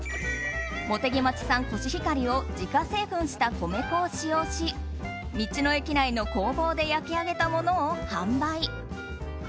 茂木町産コシヒカリを自家製粉した米粉を使用し道の駅内の工房で焼き上げたものを販売。